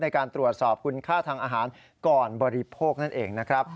ในการตรวจสอบคุณค่าทางอาหารก่อนบริโภคนั่นเองนะครับ